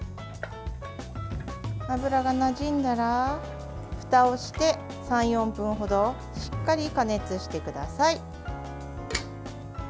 油がなじんだら、ふたをして３４分ほどしっかり加熱してください。